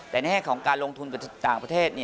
แต่ในแง่ของการลงทุนกับต่างประเทศ